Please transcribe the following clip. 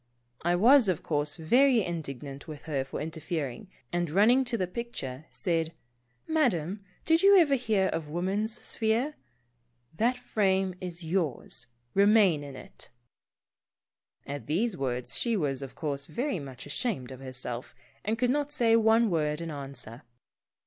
I was of course very indignant with her for interfering, and run ning to the picture, said :" Madame, did you ever hear of ' Woman's Sphere'? That frame is yours. Remain in it." At these words, she was of course very much ashamed of herself, and could not say one word in answer.